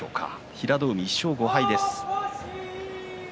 平戸海は１勝５敗です。